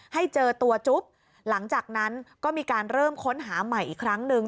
ให้เจอตัวจุ๊บหลังจากนั้นก็มีการเริ่มค้นหาใหม่อีกครั้งหนึ่ง